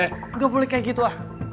eh gak boleh kayak gitu ah